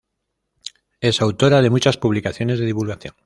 Es autora de muchas publicaciones de divulgación.